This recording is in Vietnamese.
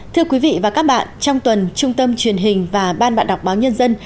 thưa quý vị và các bạn trong tuần trung tâm truyền hình và ban bạn đọc báo nhân dân